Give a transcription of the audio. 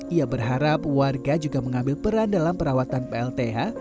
ia berharap warga juga mengambil peran dalam perawatan plth